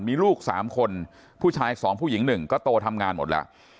มีลูก๓คนผู้ชาย๒ผู้หญิง๑ก็โตทำงานหมดแล้ว